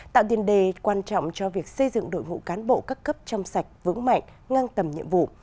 tạo tiền đề quan trọng cho việc xây dựng đội ngũ cán bộ cấp cấp chăm sạch vững mạnh ngăn tầm nhiệm vụ